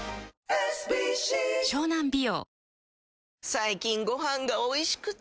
最近ご飯がおいしくて！